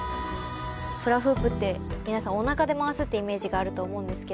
フラフープって皆さんおなかで回すっていうイメージがあると思うんですけど。